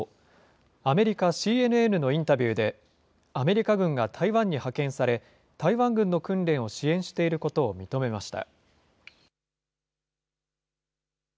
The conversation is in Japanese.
アメリカＣＮＮのインタビューで、アメリカ軍が台湾に派遣され、台湾軍の訓練を支援していることを認めました。